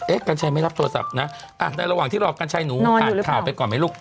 กัญชัยไม่รับโทรศัพท์นะในระหว่างที่รอกัญชัยหนูอ่านข่าวไปก่อนไหมลูก